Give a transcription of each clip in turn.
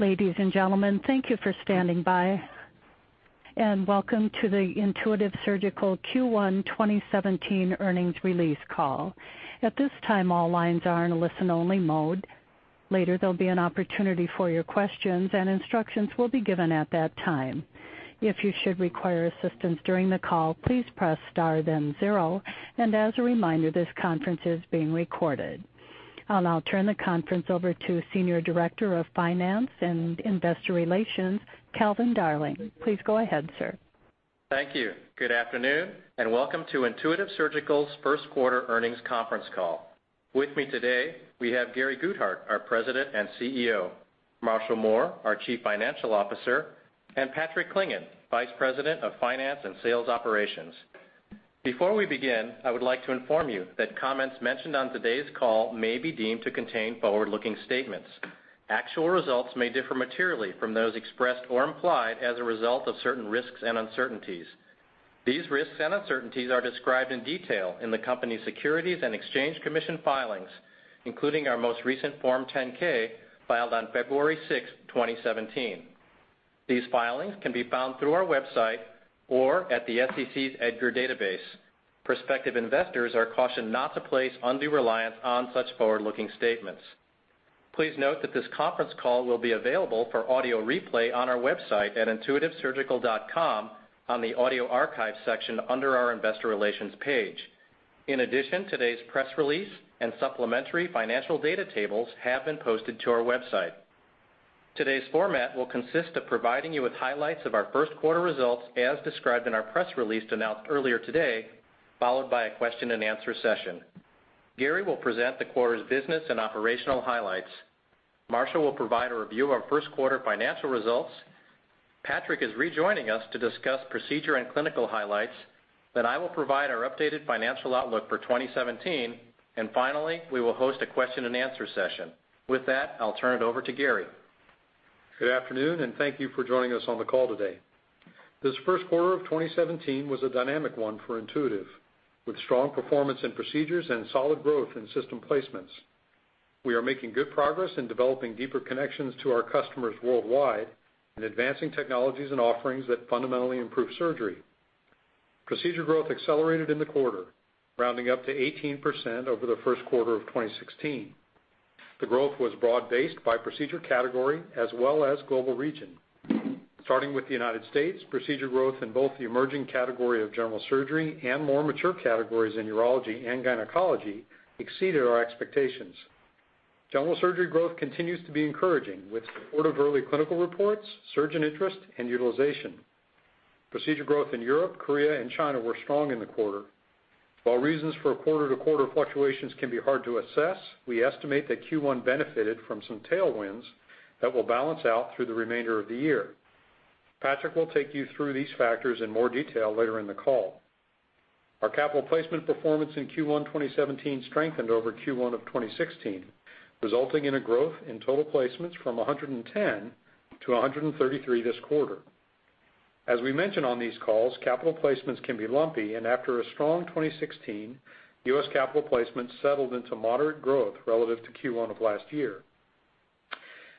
Ladies and gentlemen, thank you for standing by, and welcome to the Intuitive Surgical Q1 2017 earnings release call. At this time, all lines are in listen only mode. Later, there'll be an opportunity for your questions, and instructions will be given at that time. If you should require assistance during the call, please press star then zero, and as a reminder, this conference is being recorded. I'll now turn the conference over to Senior Director of Finance and Investor Relations, Calvin Darling. Please go ahead, sir. Thank you. Good afternoon, and welcome to Intuitive Surgical's first quarter earnings conference call. With me today, we have Gary Guthart, our President and CEO, Marshall Mohr, our Chief Financial Officer, and Patrick Clingan, Vice President of Finance and Sales Operations. Before we begin, I would like to inform you that comments mentioned on today's call may be deemed to contain forward-looking statements. Actual results may differ materially from those expressed or implied as a result of certain risks and uncertainties. These risks and uncertainties are described in detail in the company's Securities and Exchange Commission filings, including our most recent Form 10-K filed on February 6th, 2017. These filings can be found through our website or at the SEC's EDGAR database. Prospective investors are cautioned not to place undue reliance on such forward-looking statements. Please note that this conference call will be available for audio replay on our website at intuitivesurgical.com on the audio archive section under our investor relations page. In addition, today's press release and supplementary financial data tables have been posted to our website. Today's format will consist of providing you with highlights of our first quarter results as described in our press release announced earlier today, followed by a question and answer session. Gary will present the quarter's business and operational highlights. Marshall will provide a review of our first quarter financial results. Patrick is rejoining us to discuss procedure and clinical highlights. I will provide our updated financial outlook for 2017. Finally, we will host a question and answer session. With that, I'll turn it over to Gary. Good afternoon, and thank you for joining us on the call today. This first quarter of 2017 was a dynamic one for Intuitive, with strong performance and procedures and solid growth in system placements. We are making good progress in developing deeper connections to our customers worldwide and advancing technologies and offerings that fundamentally improve surgery. Procedure growth accelerated in the quarter, rounding up to 18% over the first quarter of 2016. The growth was broad-based by procedure category as well as global region. Starting with the United States, procedure growth in both the emerging category of general surgery and more mature categories in urology and gynecology exceeded our expectations. General surgery growth continues to be encouraging with support of early clinical reports, surgeon interest, and utilization. Procedure growth in Europe, Korea, and China were strong in the quarter. While reasons for quarter-to-quarter fluctuations can be hard to assess, we estimate that Q1 benefited from some tailwinds that will balance out through the remainder of the year. Patrick will take you through these factors in more detail later in the call. Our capital placement performance in Q1 2017 strengthened over Q1 of 2016, resulting in a growth in total placements from 110 to 133 this quarter. As we mentioned on these calls, capital placements can be lumpy, and after a strong 2016, U.S. capital placement settled into moderate growth relative to Q1 of last year.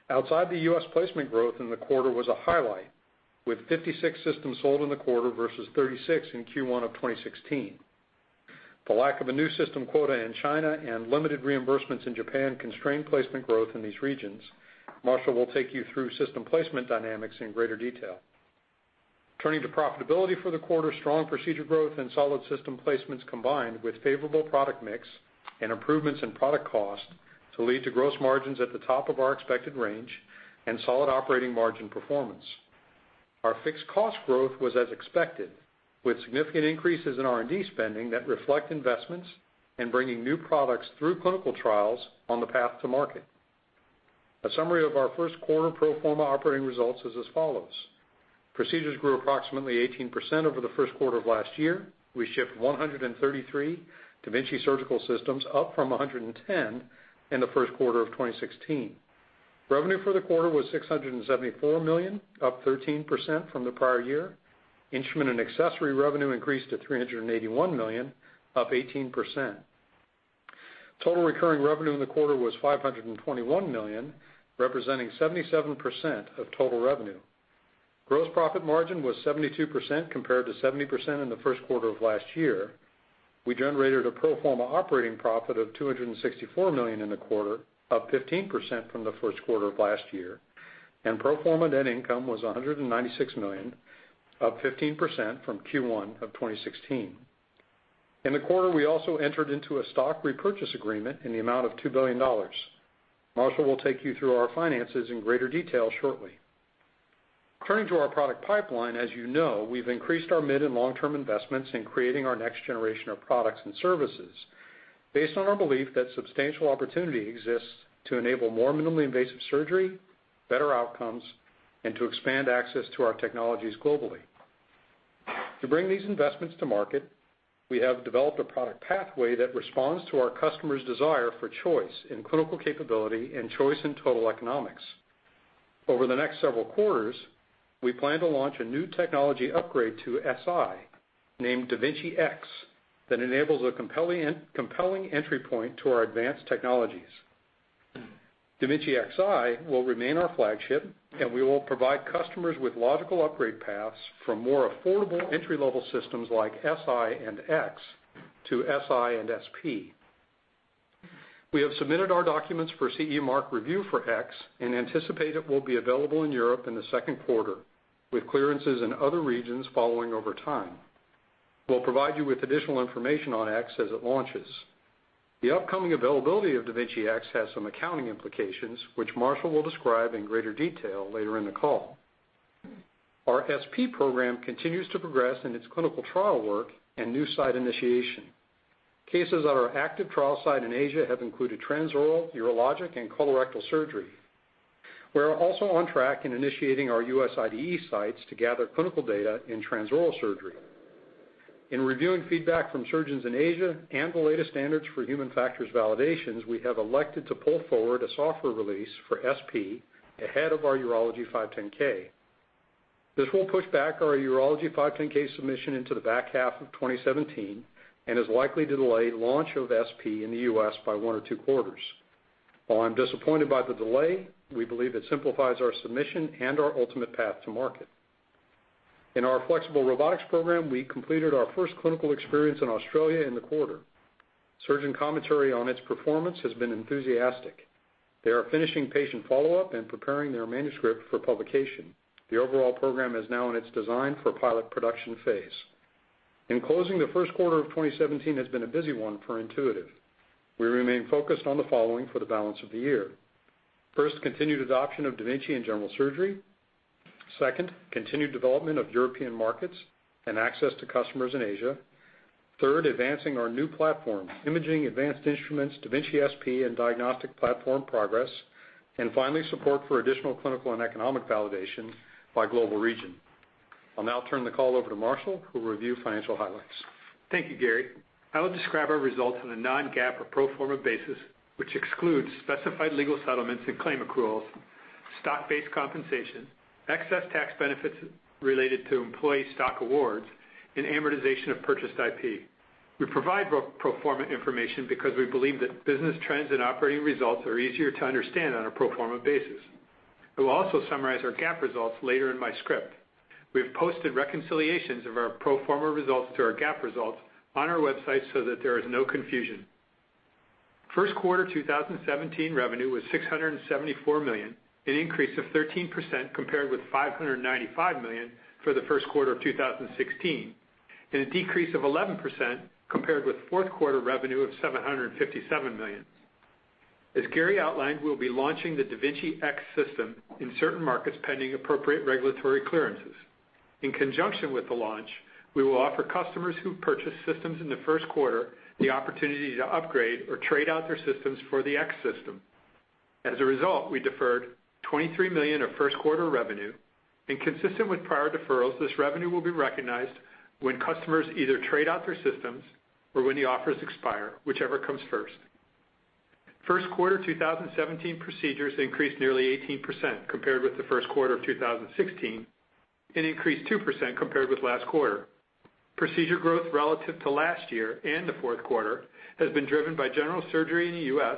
Outside the U.S. placement growth in the quarter was a highlight, with 56 systems sold in the quarter versus 36 in Q1 of 2016. The lack of a new system quota in China and limited reimbursements in Japan constrained placement growth in these regions. Marshall will take you through system placement dynamics in greater detail. Turning to profitability for the quarter, strong procedure growth and solid system placements combined with favorable product mix and improvements in product cost to lead to gross margins at the top of our expected range and solid operating margin performance. Our fixed cost growth was as expected, with significant increases in R&D spending that reflect investments in bringing new products through clinical trials on the path to market. A summary of our first quarter pro forma operating results is as follows. Procedures grew approximately 18% over the first quarter of last year. We shipped 133 da Vinci surgical systems, up from 110 in the first quarter of 2016. Revenue for the quarter was $674 million, up 13% from the prior year. Instrument and accessory revenue increased to $381 million, up 18%. Total recurring revenue in the quarter was $521 million, representing 77% of total revenue. Gross profit margin was 72% compared to 70% in the first quarter of last year. We generated a pro forma operating profit of $264 million in the quarter, up 15% from the first quarter of last year, and pro forma net income was $196 million, up 15% from Q1 of 2016. In the quarter, we also entered into a stock repurchase agreement in the amount of $2 billion. Marshall will take you through our finances in greater detail shortly. Turning to our product pipeline, as you know, we've increased our mid and long-term investments in creating our next generation of products and services based on our belief that substantial opportunity exists to enable more minimally invasive surgery, better outcomes, and to expand access to our technologies globally. To bring these investments to market, we have developed a product pathway that responds to our customers' desire for choice in clinical capability and choice in total economics. Over the next several quarters, we plan to launch a new technology upgrade to Si Named da Vinci X, that enables a compelling entry point to our advanced technologies. da Vinci Xi will remain our flagship, and we will provide customers with logical upgrade paths from more affordable entry-level systems like Si and X to Si and SP. We have submitted our documents for CE mark review for X and anticipate it will be available in Europe in the second quarter, with clearances in other regions following over time. We'll provide you with additional information on X as it launches. The upcoming availability of da Vinci X has some accounting implications, which Marshall will describe in greater detail later in the call. Our SP program continues to progress in its clinical trial work and new site initiation. Cases at our active trial site in Asia have included transoral, urologic and colorectal surgery. We're also on track in initiating our U.S. IDE sites to gather clinical data in transoral surgery. In reviewing feedback from surgeons in Asia and the latest standards for human factors validations, we have elected to pull forward a software release for SP ahead of our urology 510. This will push back our urology 510 submission into the back half of 2017 and is likely to delay launch of SP in the U.S. by one or two quarters. While I'm disappointed by the delay, we believe it simplifies our submission and our ultimate path to market. In our flexible robotics program, we completed our first clinical experience in Australia in the quarter. Surgeon commentary on its performance has been enthusiastic. They are finishing patient follow-up and preparing their manuscript for publication. The overall program is now in its design for pilot production phase. In closing, the first quarter of 2017 has been a busy one for Intuitive. We remain focused on the following for the balance of the year. First, continued adoption of da Vinci in general surgery. Second, continued development of European markets and access to customers in Asia. Third, advancing our new platform, imaging advanced instruments, da Vinci SP and diagnostic platform progress. Finally, support for additional clinical and economic validation by global region. I'll now turn the call over to Marshall, who will review financial highlights. Thank you, Gary. I will describe our results on a non-GAAP or pro forma basis, which excludes specified legal settlements and claim accruals, stock-based compensation, excess tax benefits related to employee stock awards, and amortization of purchased IP. We provide pro forma information because we believe that business trends and operating results are easier to understand on a pro forma basis. I will also summarize our GAAP results later in my script. We have posted reconciliations of our pro forma results to our GAAP results on our website so that there is no confusion. First quarter 2017 revenue was $674 million, an increase of 13% compared with $595 million for the first quarter of 2016, and a decrease of 11% compared with fourth quarter revenue of $757 million. As Gary outlined, we'll be launching the da Vinci X system in certain markets pending appropriate regulatory clearances. In conjunction with the launch, we will offer customers who purchase systems in the first quarter the opportunity to upgrade or trade out their systems for the X system. As a result, we deferred $23 million of first quarter revenue. Consistent with prior deferrals, this revenue will be recognized when customers either trade out their systems or when the offers expire, whichever comes first. First quarter 2017 procedures increased nearly 18% compared with the first quarter of 2016, and increased 2% compared with last quarter. Procedure growth relative to last year and the fourth quarter has been driven by general surgery in the U.S.,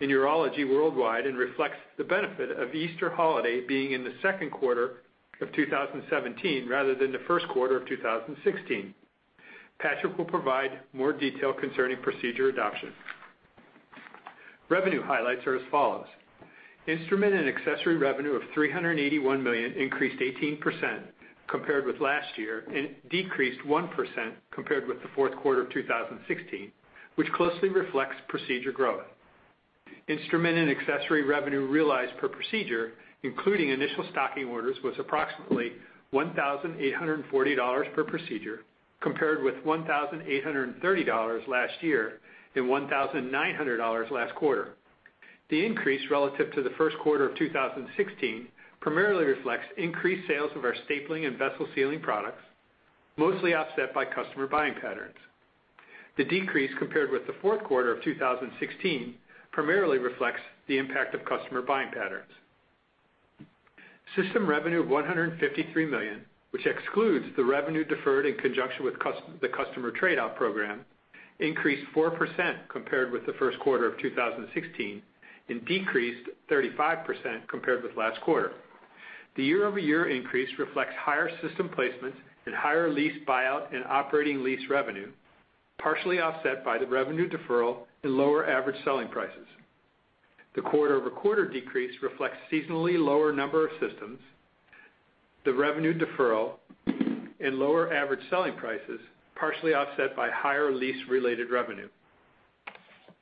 in urology worldwide, and reflects the benefit of Easter holiday being in the second quarter of 2017 rather than the first quarter of 2016. Patrick will provide more detail concerning procedure adoption. Revenue highlights are as follows. Instrument and accessory revenue of $381 million increased 18% compared with last year and decreased 1% compared with the fourth quarter of 2016, which closely reflects procedure growth. Instrument and accessory revenue realized per procedure, including initial stocking orders, was approximately $1,840 per procedure, compared with $1,830 last year and $1,900 last quarter. The increase relative to the first quarter of 2016 primarily reflects increased sales of our stapling and vessel sealing products, mostly offset by customer buying patterns. The decrease compared with the fourth quarter of 2016 primarily reflects the impact of customer buying patterns. System revenue of $153 million, which excludes the revenue deferred in conjunction with the customer trade-out program, increased 4% compared with the first quarter of 2016 and decreased 35% compared with last quarter. The year-over-year increase reflects higher system placements and higher lease buyout and operating lease revenue, partially offset by the revenue deferral and lower average selling prices. The quarter-over-quarter decrease reflects seasonally lower number of systems, the revenue deferral, and lower average selling prices, partially offset by higher lease-related revenue.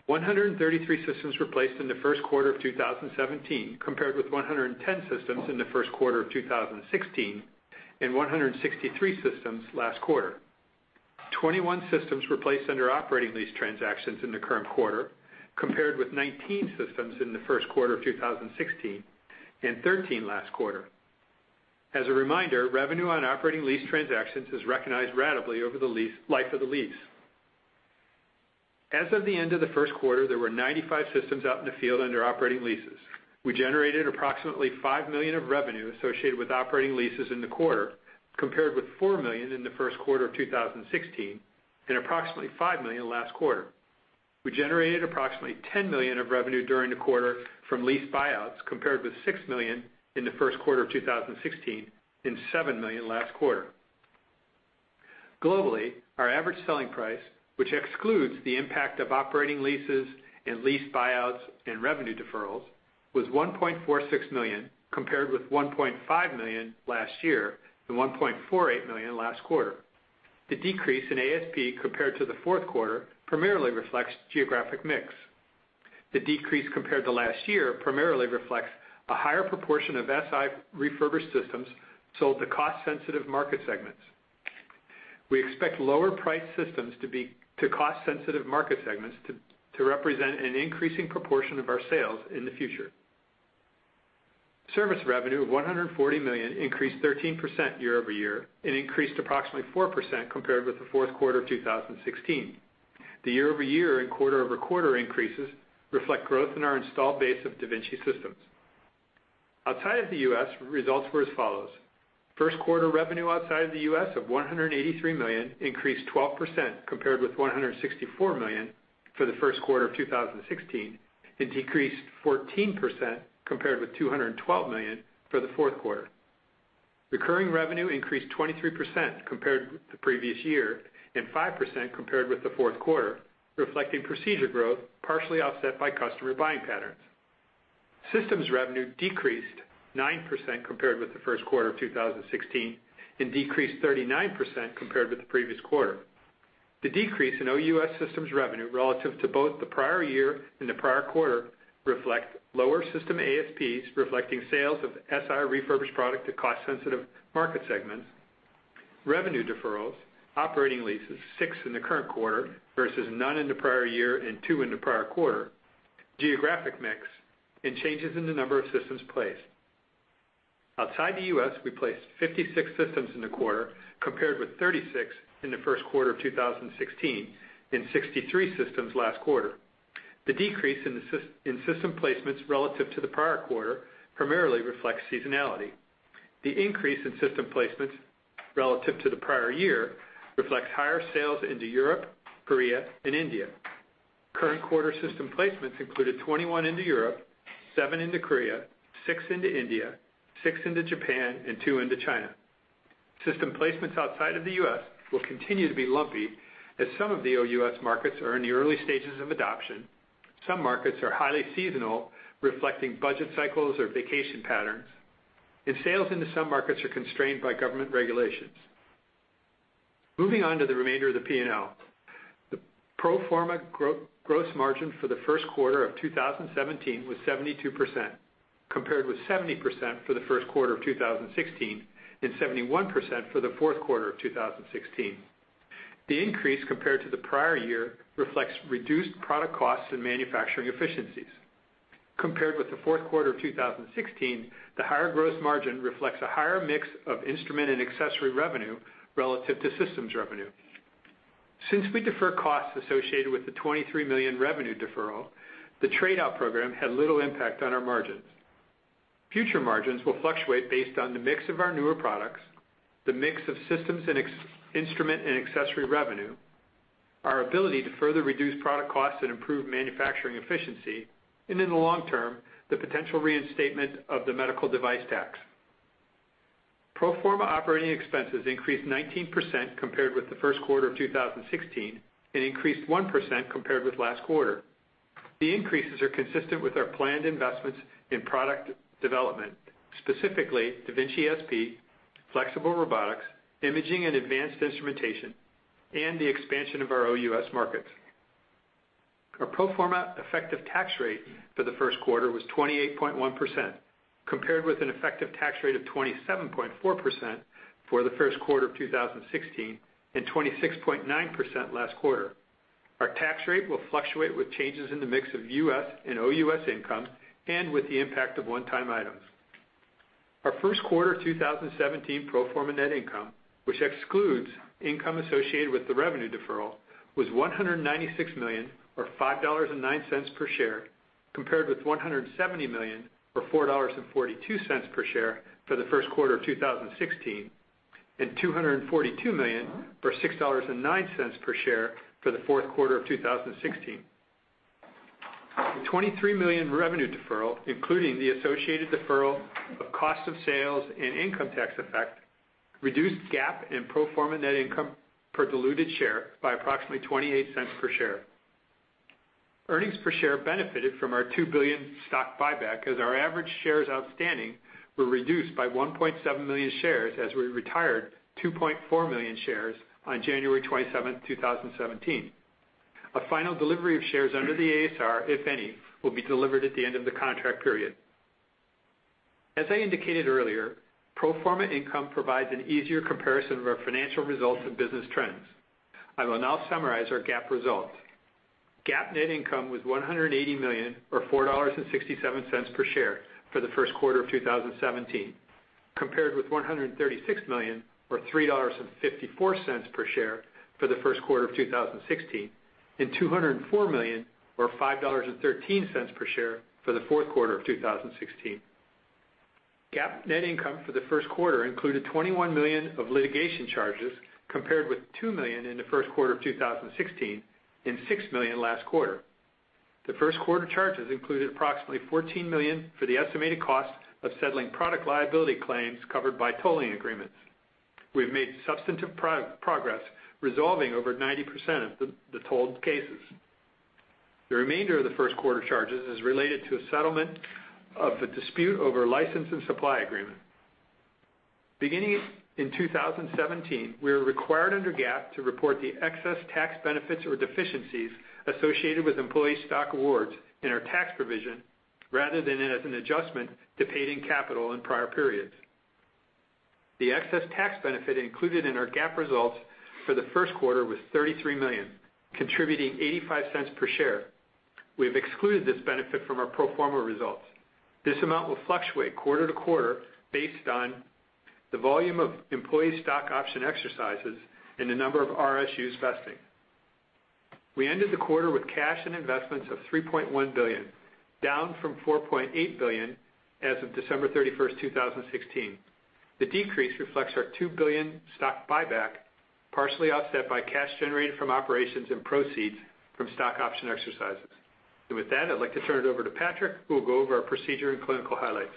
133 systems were placed in the first quarter of 2017, compared with 110 systems in the first quarter of 2016 and 163 systems last quarter. 21 systems were placed under operating lease transactions in the current quarter, compared with 19 systems in the first quarter of 2016 and 13 last quarter. As a reminder, revenue on operating lease transactions is recognized ratably over the life of the lease. As of the end of the first quarter, there were 95 systems out in the field under operating leases. We generated approximately $5 million of revenue associated with operating leases in the quarter, compared with $4 million in the first quarter of 2016 and approximately $5 million last quarter. We generated approximately $10 million of revenue during the quarter from lease buyouts, compared with $6 million in the first quarter of 2016 and $7 million last quarter. Globally, our average selling price, which excludes the impact of operating leases and lease buyouts and revenue deferrals, was $1.46 million, compared with $1.5 million last year and $1.48 million last quarter. The decrease in ASP compared to the fourth quarter primarily reflects geographic mix. The decrease compared to last year primarily reflects a higher proportion of SI refurbished systems sold to cost-sensitive market segments. We expect lower priced systems to cost-sensitive market segments to represent an increasing proportion of our sales in the future. Service revenue of $140 million increased 13% year-over-year and increased approximately 4% compared with the fourth quarter of 2016. The year-over-year and quarter-over-quarter increases reflect growth in our installed base of da Vinci systems. Outside of the U.S., results were as follows. First quarter revenue outside of the U.S. of $183 million increased 12% compared with $164 million for the first quarter of 2016, and decreased 14% compared with $212 million for the fourth quarter. Recurring revenue increased 23% compared with the previous year and 5% compared with the fourth quarter, reflecting procedure growth partially offset by customer buying patterns. Systems revenue decreased 9% compared with the first quarter of 2016 and decreased 39% compared with the previous quarter. The decrease in OUS systems revenue relative to both the prior year and the prior quarter reflect lower system ASPs reflecting sales of da Vinci Si refurbished product to cost-sensitive market segments, revenue deferrals, operating leases, six in the current quarter versus none in the prior year and two in the prior quarter, geographic mix, and changes in the number of systems placed. Outside the U.S., we placed 56 systems in the quarter, compared with 36 in the first quarter of 2016 and 63 systems last quarter. The decrease in system placements relative to the prior quarter primarily reflects seasonality. The increase in system placements relative to the prior year reflects higher sales into Europe, Korea, and India. Current quarter system placements included 21 into Europe, seven into Korea, six into India, six into Japan, and two into China. System placements outside of the U.S. will continue to be lumpy as some of the OUS markets are in the early stages of adoption. Some markets are highly seasonal, reflecting budget cycles or vacation patterns, and sales into some markets are constrained by government regulations. Moving on to the remainder of the P&L. The pro forma gross margin for the first quarter of 2017 was 72%, compared with 70% for the first quarter of 2016 and 71% for the fourth quarter of 2016. The increase compared to the prior year reflects reduced product costs and manufacturing efficiencies. Compared with the fourth quarter of 2016, the higher gross margin reflects a higher mix of instrument and accessory revenue relative to systems revenue. Since we defer costs associated with the $23 million revenue deferral, the trade-out program had little impact on our margins. Future margins will fluctuate based on the mix of our newer products, the mix of systems, instrument and accessory revenue, our ability to further reduce product costs and improve manufacturing efficiency, and in the long term, the potential reinstatement of the medical device tax. Pro forma operating expenses increased 19% compared with the first quarter of 2016 and increased 1% compared with last quarter. The increases are consistent with our planned investments in product development, specifically da Vinci SP, flexible robotics, imaging and advanced instrumentation, and the expansion of our OUS markets. Our pro forma effective tax rate for the first quarter was 28.1%, compared with an effective tax rate of 27.4% for the first quarter of 2016 and 26.9% last quarter. Our tax rate will fluctuate with changes in the mix of U.S. and OUS income and with the impact of one-time items. Our first quarter 2017 pro forma net income, which excludes income associated with the revenue deferral, was $196 million or $5.09 per share, compared with $170 million or $4.42 per share for the first quarter of 2016 and $242 million or $6.09 per share for the fourth quarter of 2016. The $23 million revenue deferral, including the associated deferral of cost of sales and income tax effect, reduced GAAP and pro forma net income per diluted share by approximately $0.28 per share. Earnings per share benefited from our $2 billion stock buyback as our average shares outstanding were reduced by 1.7 million shares as we retired 2.4 million shares on January 27th, 2017. A final delivery of shares under the ASR, if any, will be delivered at the end of the contract period. As I indicated earlier, pro forma income provides an easier comparison of our financial results and business trends. I will now summarize our GAAP results. GAAP net income was $180 million, or $4.67 per share for the first quarter of 2017. Compared with $136 million, or $3.54 per share for the first quarter of 2016, and $204 million or $5.13 per share for the fourth quarter of 2016. GAAP net income for the first quarter included $21 million of litigation charges, compared with $2 million in the first quarter of 2016 and $6 million last quarter. The first quarter charges included approximately $14 million for the estimated cost of settling product liability claims covered by tolling agreements. We have made substantive progress resolving over 90% of the tolled cases. The remainder of the first quarter charges is related to a settlement of the dispute over a license and supply agreement. Beginning in 2017, we are required under GAAP to report the excess tax benefits or deficiencies associated with employee stock awards in our tax provision, rather than as an adjustment to paid-in capital in prior periods. The excess tax benefit included in our GAAP results for the first quarter was $33 million, contributing $0.85 per share. We have excluded this benefit from our pro forma results. This amount will fluctuate quarter to quarter based on the volume of employee stock option exercises and the number of RSUs vesting. We ended the quarter with cash and investments of $3.1 billion, down from $4.8 billion as of December 31, 2016. The decrease reflects our $2 billion stock buyback, partially offset by cash generated from operations and proceeds from stock option exercises. With that, I'd like to turn it over to Patrick, who will go over our procedure and clinical highlights.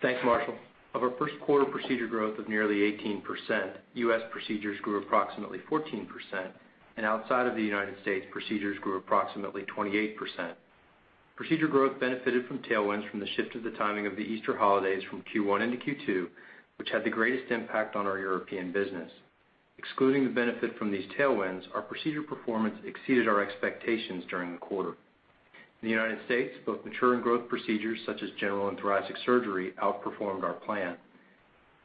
Thanks, Marshall. Of our first quarter procedure growth of nearly 18%, U.S. procedures grew approximately 14%, and outside of the United States, procedures grew approximately 28%. Procedure growth benefited from tailwinds from the shift of the timing of the Easter holidays from Q1 into Q2, which had the greatest impact on our European business. Excluding the benefit from these tailwinds, our procedure performance exceeded our expectations during the quarter. In the United States, both mature and growth procedures, such as general and thoracic surgery, outperformed our plan.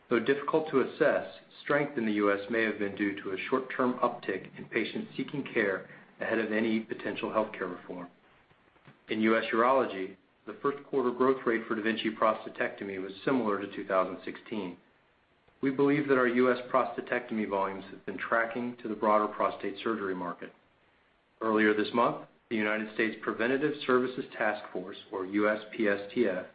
Though difficult to assess, strength in the U.S. may have been due to a short-term uptick in patients seeking care ahead of any potential healthcare reform. In U.S. urology, the first quarter growth rate for da Vinci prostatectomy was similar to 2016. We believe that our U.S. prostatectomy volumes have been tracking to the broader prostate surgery market. Earlier this month, the United States Preventive Services Task Force, or USPSTF,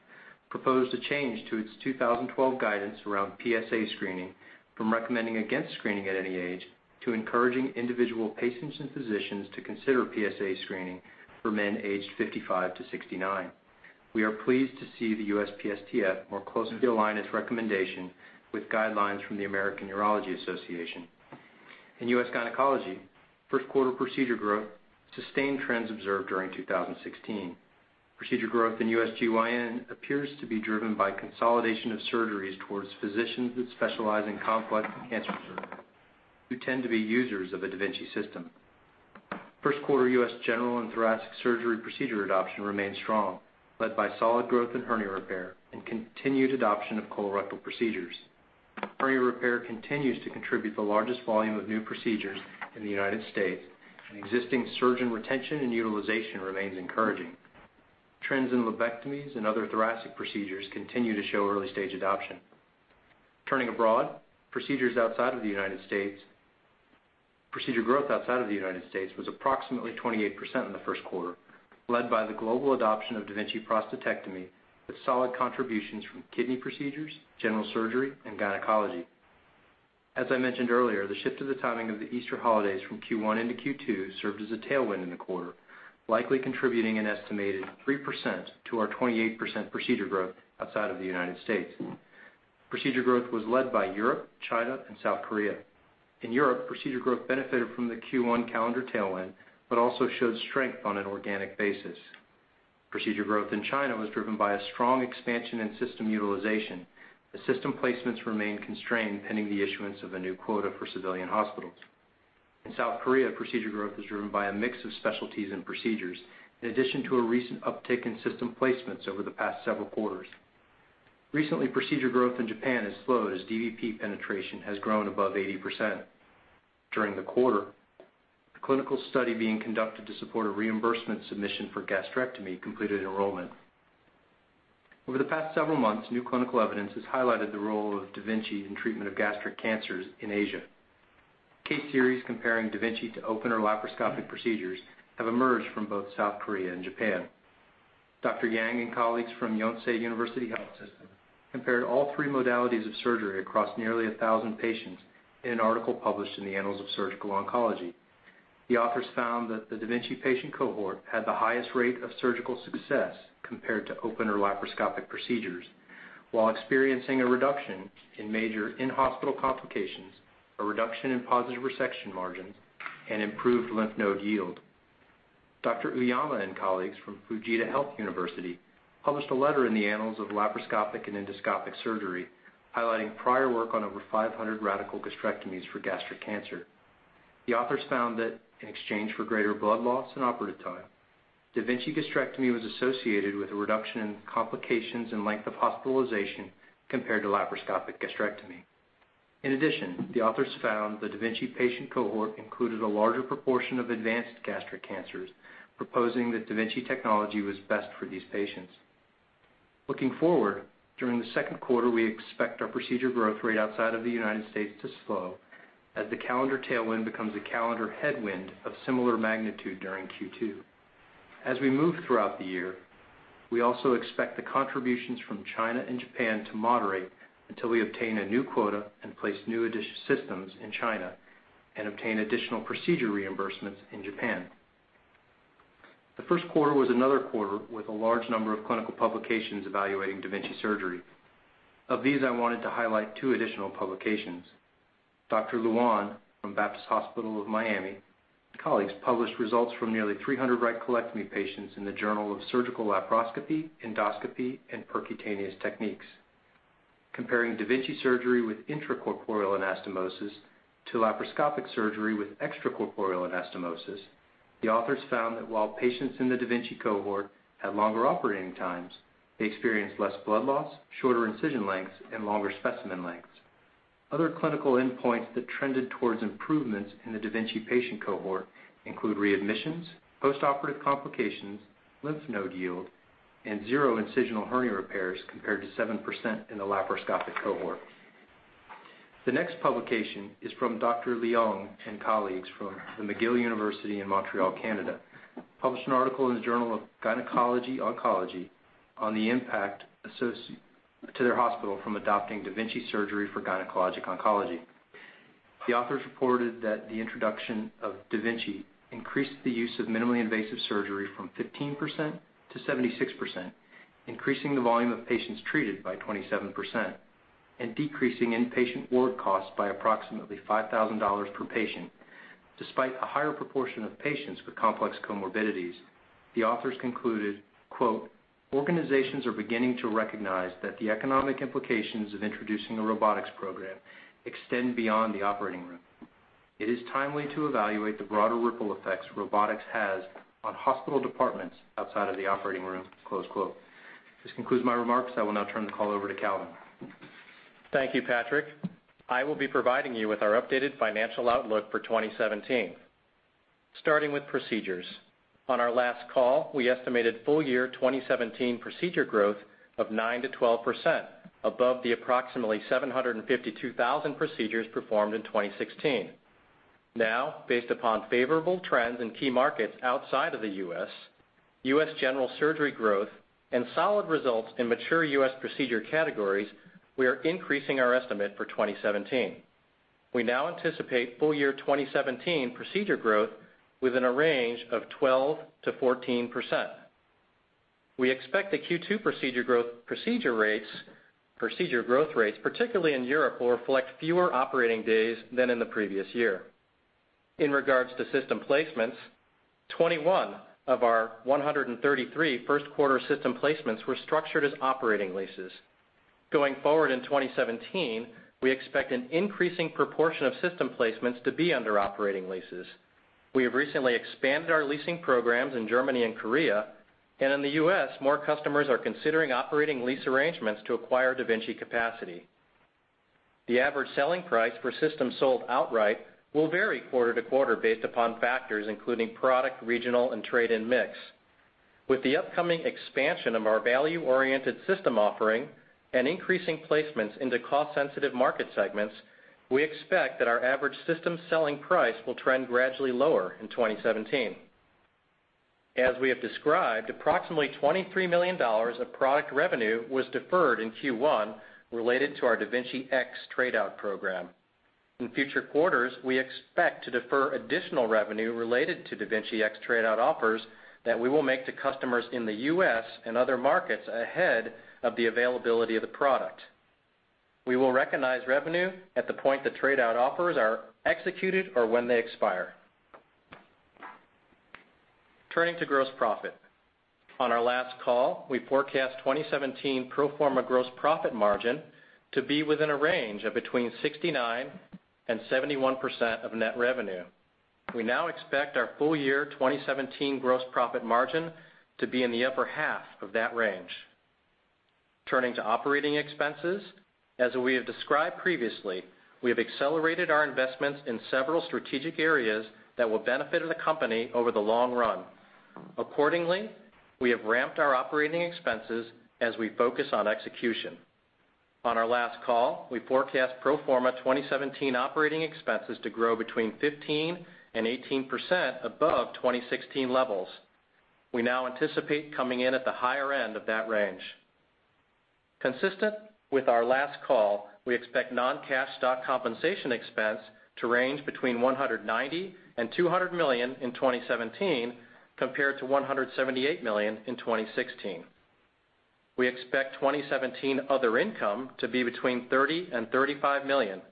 proposed a change to its 2012 guidance around PSA screening from recommending against screening at any age to encouraging individual patients and physicians to consider PSA screening for men aged 55-69. We are pleased to see the USPSTF more closely align its recommendation with guidelines from the American Urological Association. In U.S. gynecology, first quarter procedure growth sustained trends observed during 2016. Procedure growth in U.S. GYN appears to be driven by consolidation of surgeries towards physicians that specialize in complex cancer surgery, who tend to be users of a da Vinci system. First quarter U.S. general and thoracic surgery procedure adoption remained strong, led by solid growth in hernia repair and continued adoption of colorectal procedures. Hernia repair continues to contribute the largest volume of new procedures in the U.S., and existing surgeon retention and utilization remains encouraging. Trends in lobectomies and other thoracic procedures continue to show early stage adoption. Turning abroad, procedure growth outside of the U.S. was approximately 28% in the first quarter, led by the global adoption of da Vinci prostatectomy with solid contributions from kidney procedures, general surgery, and gynecology. As I mentioned earlier, the shift of the timing of the Easter holidays from Q1 into Q2 served as a tailwind in the quarter, likely contributing an estimated 3% to our 28% procedure growth outside of the U.S. Procedure growth was led by Europe, China, and South Korea. In Europe, procedure growth benefited from the Q1 calendar tailwind but also showed strength on an organic basis. Procedure growth in China was driven by a strong expansion in system utilization, as system placements remained constrained pending the issuance of a new quota for civilian hospitals. In South Korea, procedure growth was driven by a mix of specialties and procedures, in addition to a recent uptick in system placements over the past several quarters. Recently, procedure growth in Japan has slowed as dVP penetration has grown above 80%. During the quarter, the clinical study being conducted to support a reimbursement submission for gastrectomy completed enrollment. Over the past several months, new clinical evidence has highlighted the role of da Vinci in treatment of gastric cancers in Asia. Case series comparing da Vinci to open or laparoscopic procedures have emerged from both South Korea and Japan. Dr. Yang and colleagues from Yonsei University Health System compared all three modalities of surgery across nearly 1,000 patients in an article published in the Annals of Surgical Oncology. The authors found that the da Vinci patient cohort had the highest rate of surgical success compared to open or laparoscopic procedures while experiencing a reduction in major in-hospital complications, a reduction in positive resection margins, and improved lymph node yield. Dr. Uyama and colleagues from Fujita Health University published a letter in the Annals of Laparoscopic and Endoscopic Surgery highlighting prior work on over 500 radical gastrectomies for gastric cancer. The authors found that in exchange for greater blood loss and operative time, da Vinci gastrectomy was associated with a reduction in complications and length of hospitalization compared to laparoscopic gastrectomy. In addition, the authors found the da Vinci patient cohort included a larger proportion of advanced gastric cancers, proposing that da Vinci technology was best for these patients. Looking forward, during the second quarter, we expect our procedure growth rate outside of the U.S. to slow as the calendar tailwind becomes a calendar headwind of similar magnitude during Q2. As we move throughout the year, we also expect the contributions from China and Japan to moderate until we obtain a new quota and place new addition systems in China and obtain additional procedure reimbursements in Japan. The first quarter was another quarter with a large number of clinical publications evaluating da Vinci surgery. Of these, I wanted to highlight two additional publications. Dr. Lunan from Baptist Hospital of Miami and colleagues published results from nearly 300 right colectomy patients in the Surgical Laparoscopy, Endoscopy & Percutaneous Techniques. Comparing da Vinci surgery with intracorporeal anastomosis to laparoscopic surgery with extracorporeal anastomosis, the authors found that while patients in the da Vinci cohort had longer operating times, they experienced less blood loss, shorter incision lengths, and longer specimen lengths. Other clinical endpoints that trended towards improvements in the da Vinci patient cohort include readmissions, postoperative complications, lymph node yield, and zero incisional hernia repairs, compared to 7% in the laparoscopic cohort. The next publication is from Dr. Leong and colleagues from the McGill University in Montreal, Canada, who published an article in the Journal of Gynecologic Oncology on the impact to their hospital from adopting da Vinci surgery for gynecologic oncology. The authors reported that the introduction of da Vinci increased the use of minimally invasive surgery from 15% to 76%, increasing the volume of patients treated by 27% and decreasing inpatient ward costs by approximately $5,000 per patient. Despite a higher proportion of patients with complex comorbidities, the authors concluded, quote, "Organizations are beginning to recognize that the economic implications of introducing a robotics program extend beyond the operating room. It is timely to evaluate the broader ripple effects robotics has on hospital departments outside of the operating room." Close quote. This concludes my remarks. I will now turn the call over to Calvin. Thank you, Patrick. I will be providing you with our updated financial outlook for 2017. Starting with procedures. On our last call, we estimated full-year 2017 procedure growth of 9% to 12% above the approximately 752,000 procedures performed in 2016. Based upon favorable trends in key markets outside of the U.S., U.S. general surgery growth, and solid results in mature U.S. procedure categories, we are increasing our estimate for 2017. We now anticipate full-year 2017 procedure growth within a range of 12% to 14%. We expect the Q2 procedure growth rates, particularly in Europe, will reflect fewer operating days than in the previous year. In regards to system placements, 21 of our 133 first quarter system placements were structured as operating leases. Going forward in 2017, we expect an increasing proportion of system placements to be under operating leases. We have recently expanded our leasing programs in Germany and Korea, and in the U.S., more customers are considering operating lease arrangements to acquire da Vinci capacity. The average selling price per system sold outright will vary quarter to quarter based upon factors including product, regional, and trade and mix. With the upcoming expansion of our value-oriented system offering and increasing placements into cost-sensitive market segments, we expect that our average system selling price will trend gradually lower in 2017. As we have described, approximately $23 million of product revenue was deferred in Q1 related to our da Vinci X trade-out program. In future quarters, we expect to defer additional revenue related to da Vinci X trade-out offers that we will make to customers in the U.S. and other markets ahead of the availability of the product. We will recognize revenue at the point the trade-out offers are executed or when they expire. Turning to gross profit. On our last call, we forecast 2017 pro forma gross profit margin to be within a range of between 69% and 71% of net revenue. We now expect our full-year 2017 gross profit margin to be in the upper half of that range. Turning to operating expenses. As we have described previously, we have accelerated our investments in several strategic areas that will benefit the company over the long run. We have ramped our operating expenses as we focus on execution. On our last call, we forecast pro forma 2017 operating expenses to grow between 15% and 18% above 2016 levels. We now anticipate coming in at the higher end of that range. Consistent with our last call, we expect non-cash stock compensation expense to range between $190 million and $200 million in 2017, compared to $178 million in 2016. We expect 2017 other income to be between $30 million and $35 million,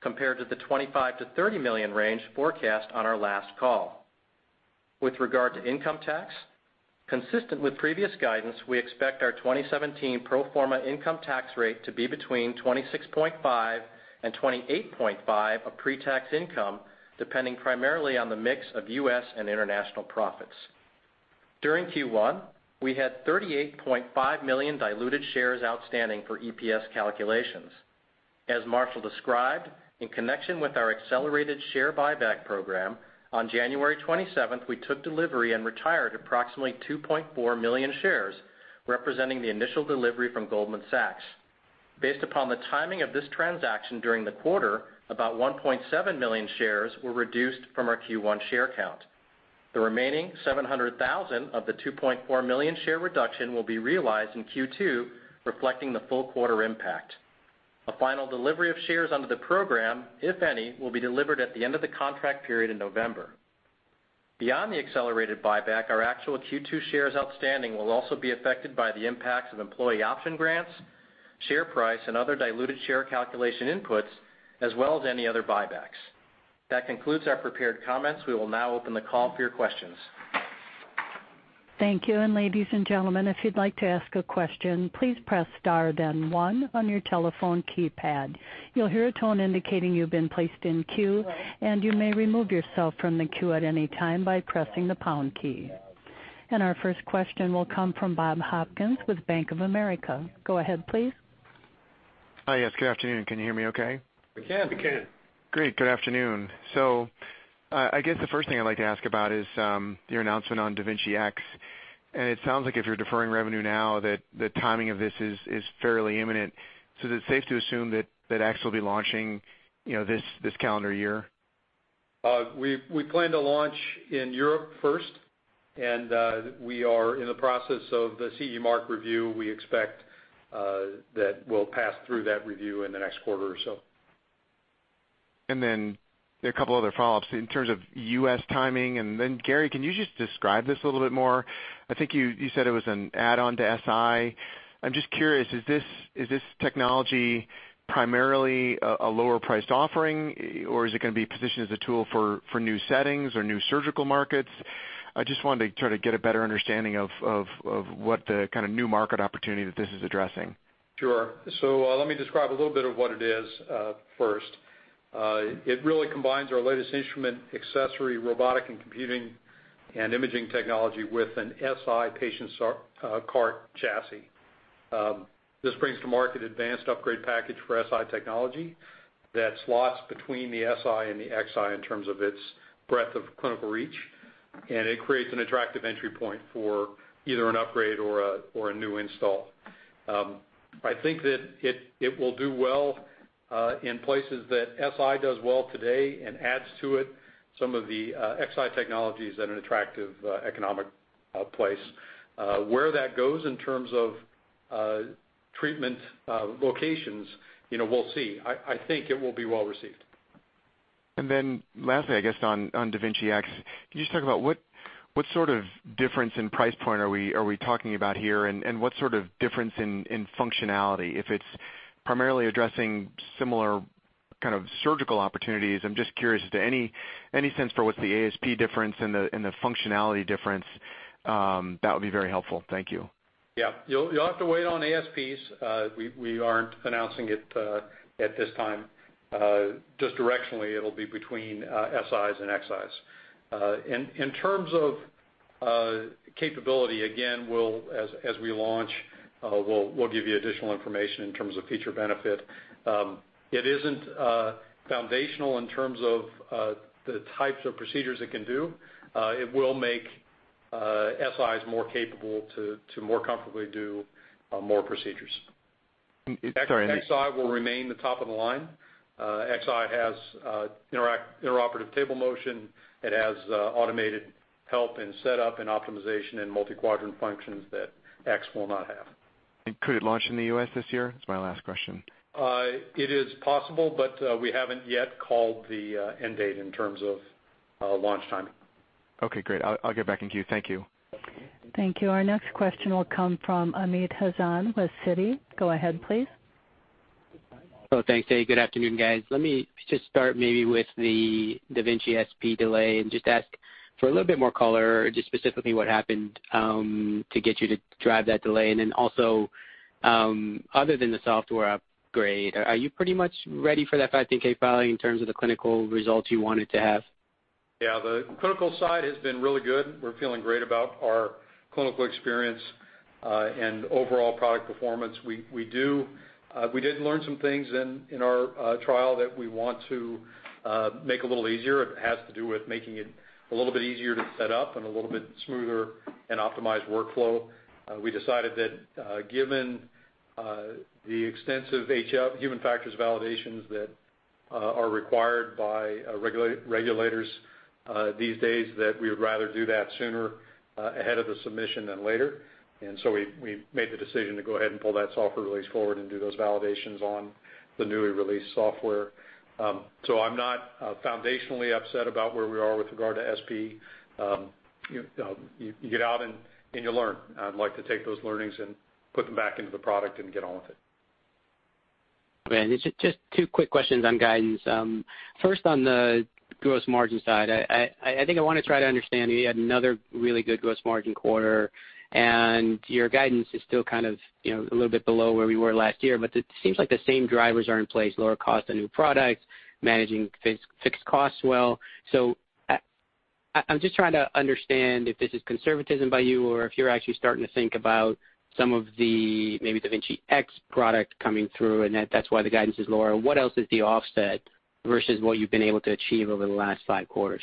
compared to the $25 million to $30 million range forecast on our last call. With regard to income tax, consistent with previous guidance, we expect our 2017 pro forma income tax rate to be between 26.5% and 28.5% of pre-tax income, depending primarily on the mix of U.S. and international profits. During Q1, we had 38.5 million diluted shares outstanding for EPS calculations. As Marshall described, in connection with our accelerated share buyback program, on January 27th, we took delivery and retired approximately 2.4 million shares, representing the initial delivery from Goldman Sachs. Based upon the timing of this transaction during the quarter, about 1.7 million shares were reduced from our Q1 share count. The remaining 700,000 of the 2.4 million share reduction will be realized in Q2, reflecting the full quarter impact. A final delivery of shares under the program, if any, will be delivered at the end of the contract period in November. Beyond the accelerated buyback, our actual Q2 shares outstanding will also be affected by the impacts of employee option grants, share price, and other diluted share calculation inputs, as well as any other buybacks. That concludes our prepared comments. We will now open the call for your questions. Thank you. Ladies and gentlemen, if you'd like to ask a question, please press star then one on your telephone keypad. You'll hear a tone indicating you've been placed in queue, and you may remove yourself from the queue at any time by pressing the pound key. Our first question will come from Bob Hopkins with Bank of America. Go ahead, please. Hi, yes. Good afternoon. Can you hear me okay? We can. We can. Great. Good afternoon. I guess the first thing I'd like to ask about is your announcement on da Vinci X, and it sounds like if you're deferring revenue now that the timing of this is fairly imminent. Is it safe to assume that X will be launching this calendar year? We plan to launch in Europe first. We are in the process of the CE mark review. We expect that we'll pass through that review in the next quarter or so. A couple other follow-ups. In terms of U.S. timing, Gary, can you just describe this a little bit more? I think you said it was an add-on to SI. I'm just curious, is this technology primarily a lower-priced offering, or is it going to be positioned as a tool for new settings or new surgical markets? I just wanted to try to get a better understanding of what the kind of new market opportunity that this is addressing. Sure. Let me describe a little bit of what it is first. It really combines our latest instrument accessory, robotic and computing and imaging technology with an SI patient cart chassis. This brings to market advanced upgrade package for SI technology that slots between the SI and the XI in terms of its breadth of clinical reach. It creates an attractive entry point for either an upgrade or a new install. I think that it will do well in places that SI does well today and adds to it some of the XI technologies at an attractive economic place. Where that goes in terms of treatment locations, we'll see. I think it will be well received. Lastly, I guess on da Vinci X, can you just talk about what sort of difference in price point are we talking about here? What sort of difference in functionality? If it's primarily addressing similar kind of surgical opportunities, I'm just curious as to any sense for what's the ASP difference and the functionality difference, that would be very helpful. Thank you. Yeah. You'll have to wait on ASPs. We aren't announcing it at this time. Just directionally, it'll be between Sis and Xis. In terms of capability, again, as we launch, we'll give you additional information in terms of feature benefit. It isn't foundational in terms of the types of procedures it can do. It will make Sis more capable to more comfortably do more procedures. Sorry. Xi will remain the top of the line. Xi has interoperative table motion. It has automated help in setup and optimization and multi-quadrant functions that X will not have. Could it launch in the U.S. this year? It's my last question. It is possible, we haven't yet called the end date in terms of launch timing. Okay, great. I'll get back in queue. Thank you. Thank you. Our next question will come from Amit Hazan with Citi. Go ahead, please. Oh, thanks. Hey, good afternoon, guys. Let me just start maybe with the da Vinci SP delay and just ask for a little bit more color, just specifically what happened, to get you to drive that delay. Also, other than the software upgrade, are you pretty much ready for that 510(k) filing in terms of the clinical results you wanted to have? Yeah, the clinical side has been really good. We're feeling great about our clinical experience, and overall product performance. We did learn some things in our trial that we want to make a little easier. It has to do with making it a little bit easier to set up and a little bit smoother and optimized workflow. We decided that given the extensive human factors validations that are required by regulators these days, that we would rather do that sooner ahead of the submission than later. We made the decision to go ahead and pull that software release forward and do those validations on the newly released software. I'm not foundationally upset about where we are with regard to SP. You get out and you learn. I'd like to take those learnings and put them back into the product and get on with it. Okay. Just two quick questions on guidance. First, on the gross margin side, I think I want to try to understand, you had another really good gross margin quarter. Your guidance is still kind of a little bit below where we were last year, but it seems like the same drivers are in place, lower cost on new products, managing fixed costs well. I'm just trying to understand if this is conservatism by you or if you're actually starting to think about some of the maybe da Vinci X product coming through, and that's why the guidance is lower. What else is the offset versus what you've been able to achieve over the last five quarters?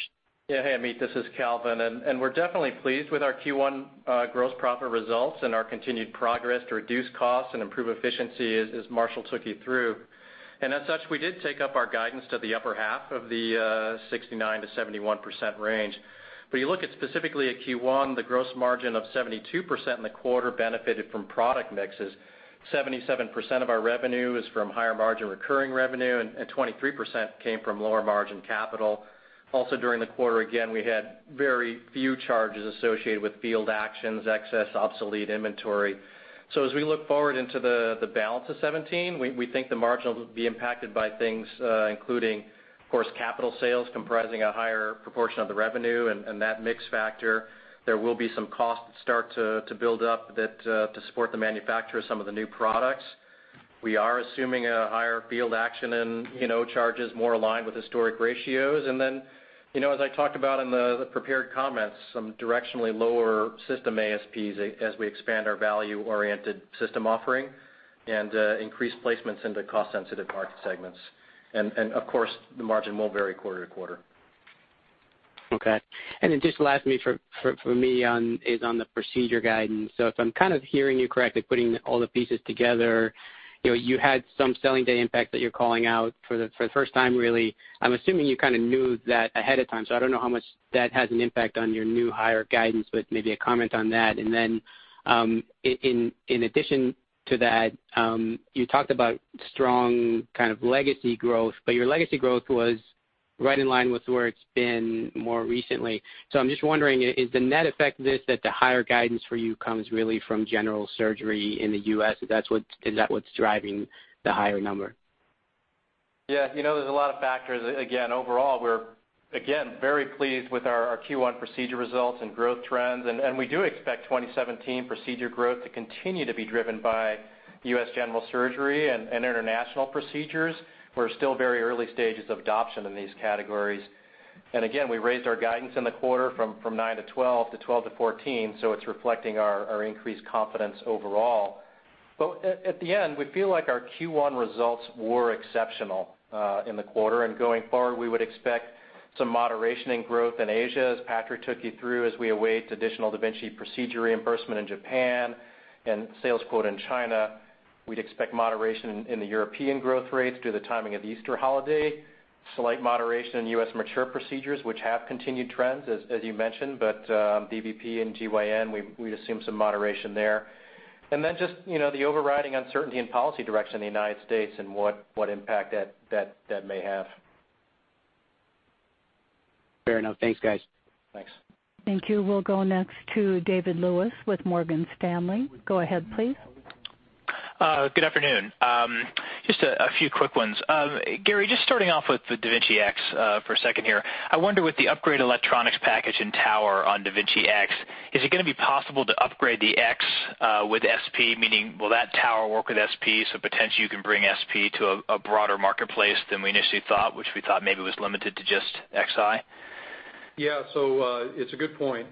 Yeah. Hey, Amit, this is Calvin. We're definitely pleased with our Q1 gross profit results and our continued progress to reduce costs and improve efficiency, as Marshall took you through. As such, we did take up our guidance to the upper half of the 69%-71% range. You look at specifically at Q1, the gross margin of 72% in the quarter benefited from product mixes. 77% of our revenue is from higher margin recurring revenue. 23% came from lower margin capital. Also, during the quarter, again, we had very few charges associated with field actions, excess obsolete inventory. As we look forward into the balance of 2017, we think the margin will be impacted by things including, of course, capital sales comprising a higher proportion of the revenue and that mix factor. There will be some costs start to build up to support the manufacture of some of the new products. We are assuming a higher field action and charges more aligned with historic ratios. As I talked about in the prepared comments, some directionally lower system ASPs as we expand our value-oriented system offering and increase placements into cost-sensitive market segments. The margin will vary quarter-to-quarter. Just last for me is on the procedure guidance. If I'm kind of hearing you correctly, putting all the pieces together, you had some selling day impact that you're calling out for the first time, really. I'm assuming you kind of knew that ahead of time. I don't know how much that has an impact on your new higher guidance, but maybe a comment on that. In addition to that, you talked about strong kind of legacy growth, but your legacy growth was right in line with where it's been more recently. I'm just wondering, is the net effect of this that the higher guidance for you comes really from general surgery in the U.S.? Is that what's driving the higher number? There's a lot of factors. Overall, we're very pleased with our Q1 procedure results and growth trends. We do expect 2017 procedure growth to continue to be driven by U.S. general surgery and international procedures. We're still very early stages of adoption in these categories. Again, we raised our guidance in the quarter from 9%-12% to 12%-14%, so it's reflecting our increased confidence overall. At the end, we feel like our Q1 results were exceptional in the quarter. Going forward, we would expect some moderation in growth in Asia, as Patrick took you through, as we await additional da Vinci procedure reimbursement in Japan and sales quota in China. We'd expect moderation in the European growth rates due to the timing of the Easter holiday, slight moderation in U.S. mature procedures, which have continued trends, as you mentioned, but dVP and GYN, we'd assume some moderation there. Just the overriding uncertainty in policy direction in the United States and what impact that may have. Fair enough. Thanks, guys. Thanks. Thank you. We'll go next to David Lewis with Morgan Stanley. Go ahead, please. Good afternoon. Just a few quick ones. Gary, just starting off with the da Vinci X for a second here. I wonder with the upgrade electronics package and tower on da Vinci X, is it going to be possible to upgrade the X with SP? Meaning, will that tower work with SP, so potentially you can bring SP to a broader marketplace than we initially thought, which we thought maybe was limited to just Xi? Yeah. It's a good point.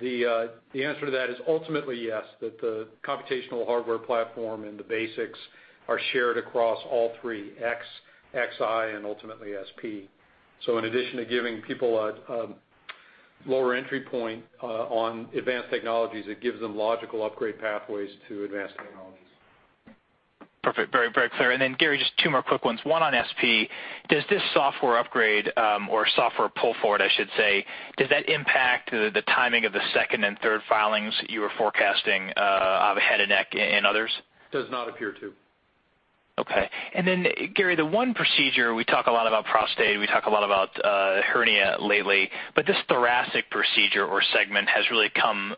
The answer to that is ultimately yes, that the computational hardware platform and the basics are shared across all three, X, Xi, and ultimately SP. In addition to giving people a lower entry point on advanced technologies, it gives them logical upgrade pathways to advanced technologies. Perfect. Very clear. Gary, just two more quick ones. One on SP. Does this software upgrade or software pull forward, I should say, does that impact the timing of the second and third filings you were forecasting of head and neck and others? Does not appear to. Okay. Gary, the one procedure, we talk a lot about prostate, we talk a lot about hernia lately, but this thoracic procedure or segment has really come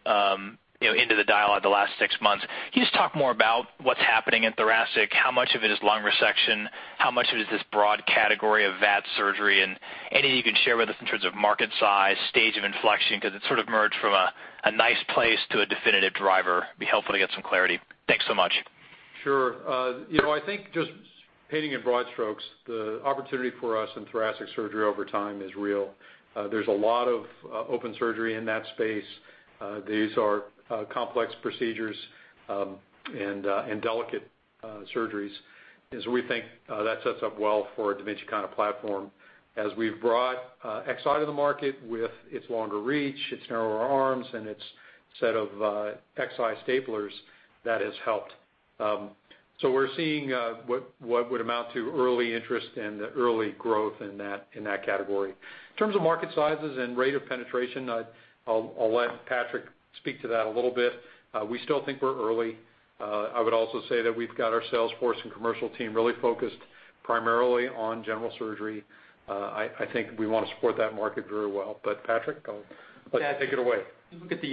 into the dialogue the last six months. Can you just talk more about what's happening in thoracic? How much of it is lung resection? How much of it is this broad category of VATS surgery? Anything you can share with us in terms of market size, stage of inflection, because it sort of merged from a nice place to a definitive driver. It'd be helpful to get some clarity. Thanks so much. Sure. I think just painting in broad strokes, the opportunity for us in thoracic surgery over time is real. There's a lot of open surgery in that space. These are complex procedures and delicate surgeries, as we think that sets up well for a da Vinci kind of platform. As we've brought Xi to the market with its longer reach, its narrower arms, and its set of Xi staplers, that has helped. We're seeing what would amount to early interest and early growth in that category. In terms of market sizes and rate of penetration, I'll let Patrick speak to that a little bit. We still think we're early. I would also say that we've got our sales force and commercial team really focused primarily on general surgery. I think we want to support that market very well. Patrick, take it away. If you look at the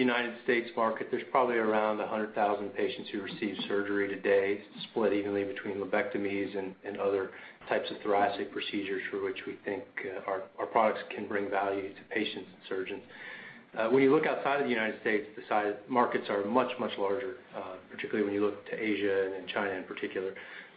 U.S. market, there's probably around 100,000 patients who receive surgery today, split evenly between lobectomies and other types of thoracic procedures for which we think our products can bring value to patients and surgeons. When you look outside of the U.S., the size markets are much, much larger, particularly when you look to Asia and China in particular.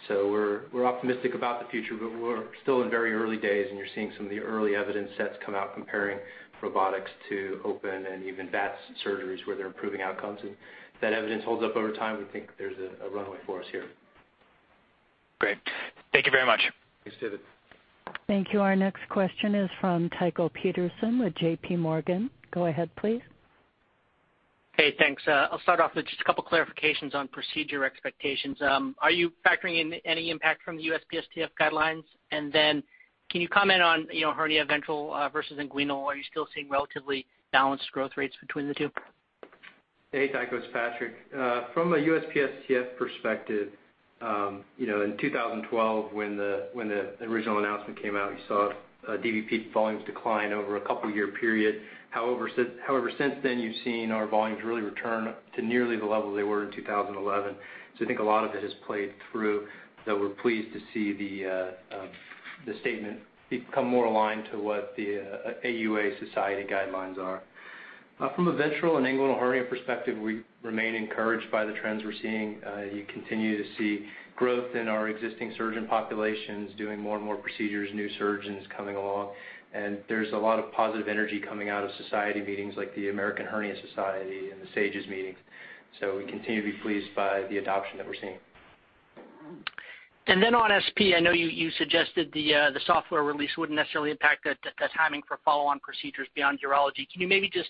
We're optimistic about the future, but we're still in very early days, and you're seeing some of the early evidence sets come out comparing robotics to open and even VATS surgeries where they're improving outcomes. If that evidence holds up over time, we think there's a runway for us here. Great. Thank you very much. Thanks, David. Thank you. Our next question is from Tycho Peterson with JPMorgan. Go ahead, please. Hey, thanks. I'll start off with just a couple clarifications on procedure expectations. Are you factoring in any impact from the USPSTF guidelines? Can you comment on hernia ventral versus inguinal? Are you still seeing relatively balanced growth rates between the two? Hey, Tycho. It's Patrick. From a USPSTF perspective, in 2012 when the original announcement came out, you saw dVP volumes decline over a couple of year period. However, since then, you've seen our volumes really return to nearly the level they were in 2011. I think a lot of it has played through, that we're pleased to see the statement become more aligned to what the AUA society guidelines are. From a ventral and inguinal hernia perspective, we remain encouraged by the trends we're seeing. You continue to see growth in our existing surgeon populations doing more and more procedures, new surgeons coming along. There's a lot of positive energy coming out of society meetings like the American Hernia Society and the SAGES meetings. We continue to be pleased by the adoption that we're seeing. On SP, I know you suggested the software release wouldn't necessarily impact the timing for follow-on procedures beyond urology. Can you maybe just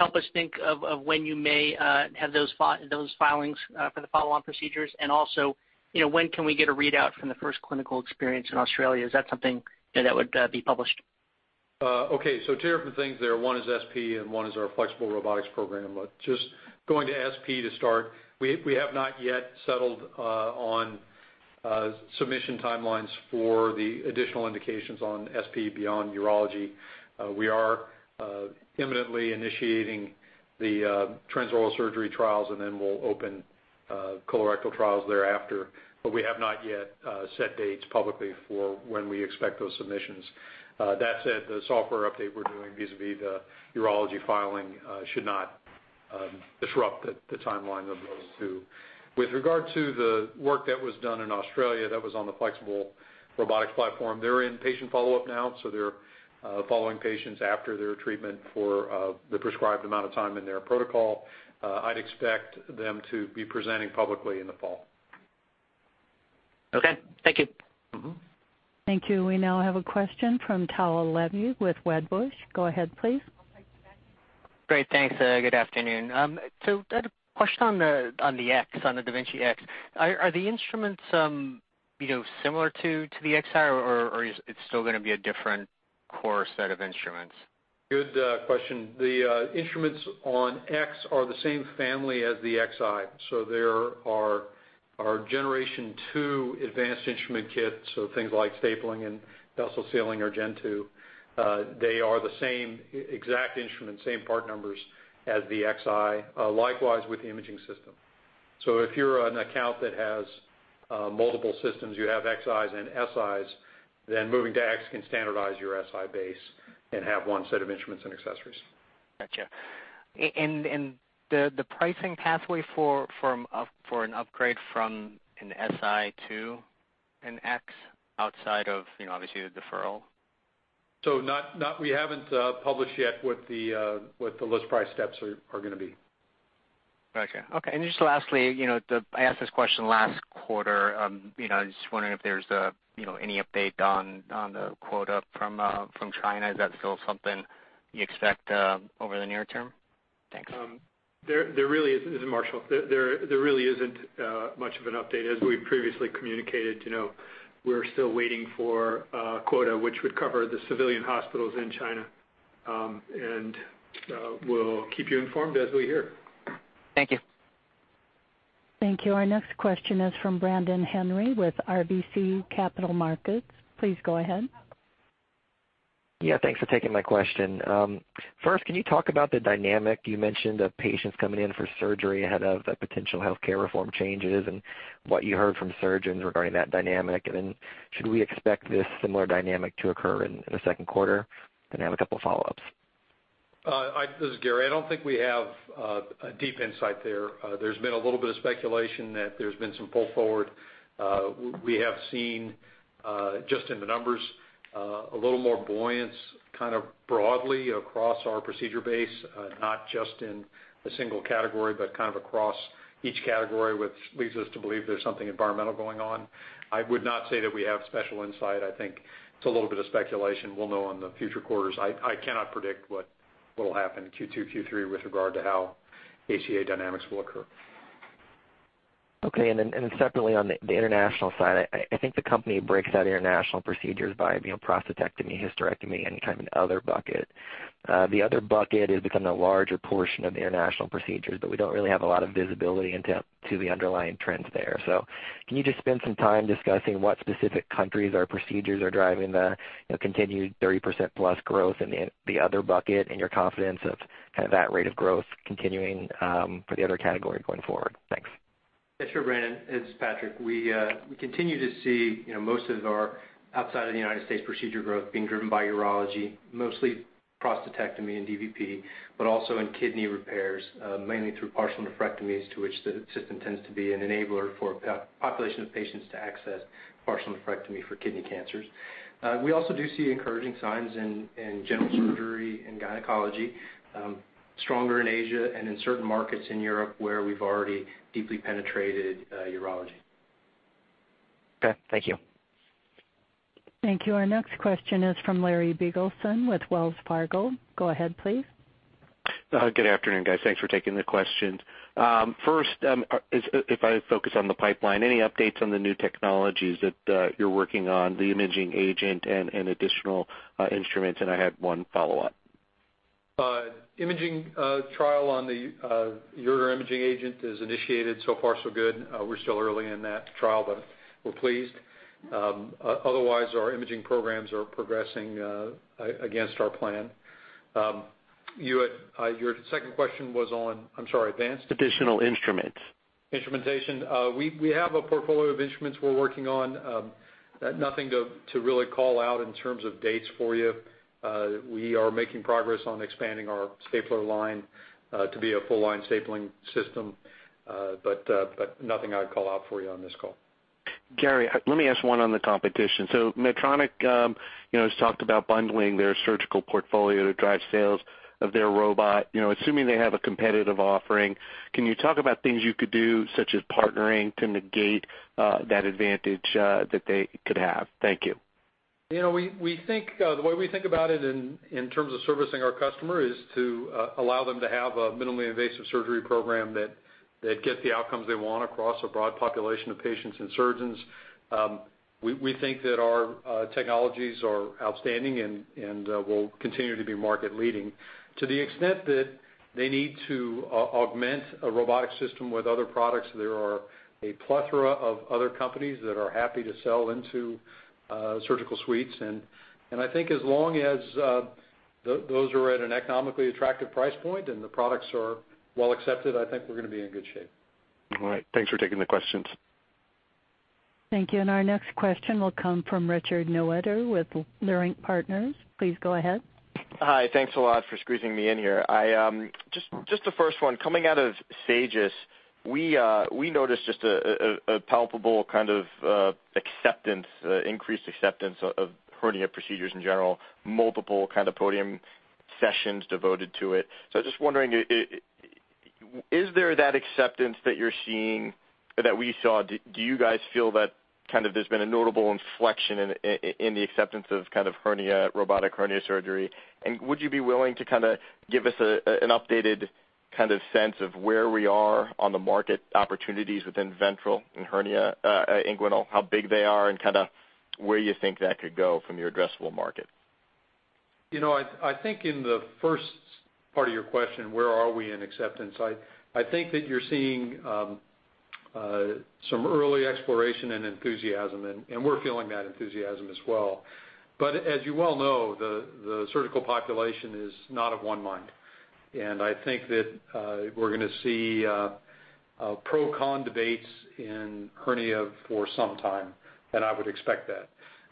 help us think of when you may have those filings for the follow-on procedures? When can we get a readout from the first clinical experience in Australia? Is that something that would be published? Two different things there. One is SP and one is our flexible robotics program. Just going to SP to start. We have not yet settled on submission timelines for the additional indications on SP beyond urology. We are imminently initiating the transoral surgery trials, we'll open colorectal trials thereafter. We have not yet set dates publicly for when we expect those submissions. That said, the software update we're doing vis-a-vis the urology filing should not disrupt the timeline of those two. With regard to the work that was done in Australia, that was on the flexible robotics platform. They're in patient follow-up now, so they're following patients after their treatment for the prescribed amount of time in their protocol. I'd expect them to be presenting publicly in the fall. Okay. Thank you. Thank you. We now have a question from Tao Levy with Wedbush. Go ahead, please. Great. Thanks. Good afternoon. I had a question on the da Vinci X. Are the instruments similar to the Xi, or it's still going to be a different core set of instruments? Good question. The instruments on X are the same family as the Xi. They are our generation 2 advanced instrument kits, things like stapling and vessel sealing are gen 2. They are the same exact instrument, same part numbers as the Xi. Likewise with the imaging system. If you're an account that has multiple systems, you have Xis and Sis, then moving to X can standardize your Si base and have one set of instruments and accessories. Got you. The pricing pathway for an upgrade from an SI to an X outside of, obviously, the deferral? We haven't published yet what the list price steps are going to be. Got you. Okay. Just lastly, I asked this question last quarter. I'm just wondering if there's any update on the quota from China. Is that still something you expect over the near term? Thanks. This is Marshall. There really isn't much of an update. As we previously communicated, we're still waiting for a quota which would cover the civilian hospitals in China. We'll keep you informed as we hear. Thank you. Thank you. Our next question is from Brandon Henry with RBC Capital Markets. Please go ahead. Yeah, thanks for taking my question. First, can you talk about the dynamic you mentioned of patients coming in for surgery ahead of potential healthcare reform changes and what you heard from surgeons regarding that dynamic? Should we expect this similar dynamic to occur in the second quarter? I have a couple of follow-ups. This is Gary. I don't think we have a deep insight there. There's been a little bit of speculation that there's been some pull forward. We have seen, just in the numbers, a little more buoyance kind of broadly across our procedure base, not just in a single category, but kind of across each category, which leads us to believe there's something environmental going on. I would not say that we have special insight. I think it's a little bit of speculation. We'll know in the future quarters. I cannot predict what will happen in Q2, Q3 with regard to how ACA dynamics will occur. Okay. Separately on the international side, I think the company breaks out international procedures by prostatectomy, hysterectomy, any kind of other bucket. The other bucket is becoming a larger portion of the international procedures, but we don't really have a lot of visibility into the underlying trends there. Can you just spend some time discussing what specific countries or procedures are driving the continued 30%+ growth in the other bucket and your confidence of that rate of growth continuing for the other category going forward? Thanks. Yeah, sure, Brandon. It's Patrick. We continue to see most of our outside of the United States procedure growth being driven by urology, mostly prostatectomy and dVP, but also in kidney repairs, mainly through partial nephrectomies, to which the system tends to be an enabler for population of patients to access partial nephrectomy for kidney cancers. We also do see encouraging signs in general surgery and gynecology, stronger in Asia and in certain markets in Europe where we've already deeply penetrated urology. Okay, thank you. Thank you. Our next question is from Larry Biegelsen with Wells Fargo. Go ahead, please. Good afternoon, guys. Thanks for taking the questions. First, if I focus on the pipeline, any updates on the new technologies that you're working on, the imaging agent and additional instruments? I had one follow-up. Imaging trial on the urinary imaging agent is initiated. So far, so good. We're still early in that trial, but we're pleased. Otherwise, our imaging programs are progressing against our plan. Your second question was on, I'm sorry, advanced- Additional instruments. Instrumentation. We have a portfolio of instruments we're working on. Nothing to really call out in terms of dates for you. We are making progress on expanding our stapler line to be a full line stapling system. Nothing I'd call out for you on this call. Gary, let me ask one on the competition. Medtronic has talked about bundling their surgical portfolio to drive sales of their robot. Assuming they have a competitive offering, can you talk about things you could do, such as partnering to negate that advantage that they could have? Thank you. The way we think about it in terms of servicing our customer is to allow them to have a minimally invasive surgery program that get the outcomes they want across a broad population of patients and surgeons. We think that our technologies are outstanding and will continue to be market leading. To the extent that they need to augment a robotic system with other products, there are a plethora of other companies that are happy to sell into surgical suites. I think as long as those are at an economically attractive price point and the products are well accepted, I think we're going to be in good shape. All right. Thanks for taking the questions. Thank you. Our next question will come from Richard Newitter with Leerink Partners. Please go ahead. Hi. Thanks a lot for squeezing me in here. Just the first one, coming out of SAGES, we noticed just a palpable kind of increased acceptance of hernia procedures in general, multiple podium sessions devoted to it. I was just wondering, is there that acceptance that you're seeing that we saw? Do you guys feel that there's been a notable inflection in the acceptance of robotic hernia surgery? Would you be willing to give us an updated sense of where we are on the market opportunities within ventral and inguinal? How big they are, and where you think that could go from your addressable market? I think in the first part of your question, where are we in acceptance, I think that you're seeing some early exploration and enthusiasm, and we're feeling that enthusiasm as well. As you well know, the surgical population is not of one mind. I think that we're going to see pro/con debates in hernia for some time, and I would expect that.